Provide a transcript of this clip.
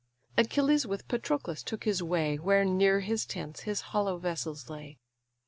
Achilles with Patroclus took his way Where near his tents his hollow vessels lay.